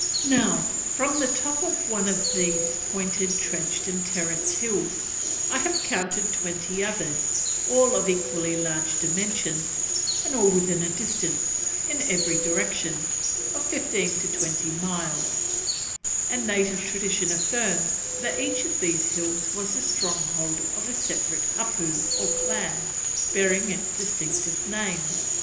Now from the top of one of these pointed, trenched, and terraced hills, I have counted twenty others, all of equally large dimensions, and all within a distance, in every direction, of fifteen to twenty miles; and native tradition affirms that each of these hills was the stronghold of a separate hapu or clan, bearing its distinctive name.